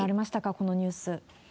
このニュース。